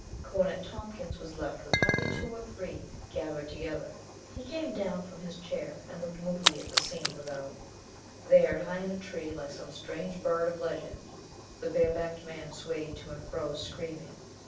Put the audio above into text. Cornet Tompkins was left with hardly two or three gathered together. He came down from his 82 COLONEL GREATHEART chair and looked moodily at the scene without. There, high in a tree, like some strange bird of legend, the barebacked man swayed to and fro, screaming.